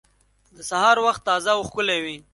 د سهار وخت تازه او ښکلی وي.